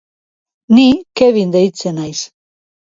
Ni Kevin deitzen naiz.